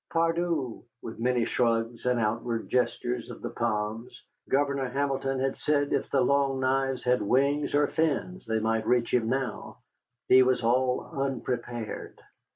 Pardieu (with many shrugs and outward gestures of the palms), Governor Hamilton had said if the Long Knives had wings or fins they might reach him now he was all unprepared.